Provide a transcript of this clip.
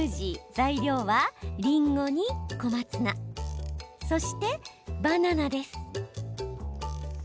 材料は、りんごに小松菜そしてバナナです。